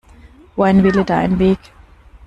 Wo ein Wille, da ein Weg.